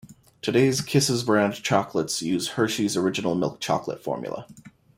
Today's Kisses brand chocolates use Hershey's original milk chocolate formula.